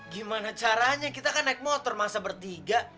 gimana caranya kita kan naik motor masa bertiga